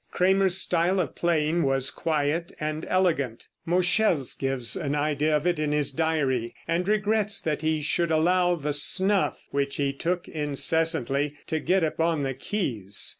Cramer's style of playing was quiet and elegant. Moscheles gives an idea of it in his diary, and regrets that he should allow the snuff, which he took incessantly, to get upon the keys.